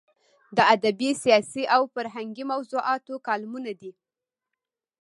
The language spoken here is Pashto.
د ادبي، سیاسي او فرهنګي موضوعاتو کالمونه دي.